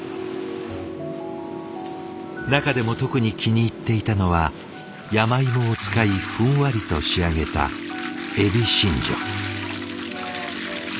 中でも特に気に入っていたのは山芋を使いふんわりと仕上げたえびしんじょ。